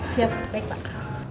siap baik pak